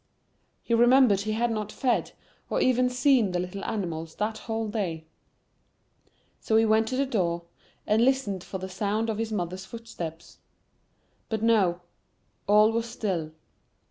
He remembered he had not fed, or even seen the little animals that whole day; so he went to the door, and listened [Pg 7]for the sound of his mother's footsteps,—but no—all was still.